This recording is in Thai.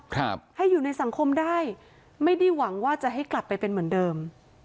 ครับให้อยู่ในสังคมได้ไม่ได้หวังว่าจะให้กลับไปเป็นเหมือนเดิม